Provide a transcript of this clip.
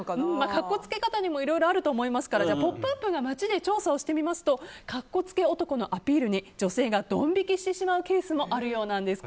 格好つけ方にもいろいろあると思いますから「ポップＵＰ！」が街で調査してみますと格好つけ男のアピールに女性がドン引きしてしまうケースもあるようなんです。